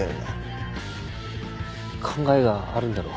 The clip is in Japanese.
考えがあるんだろう。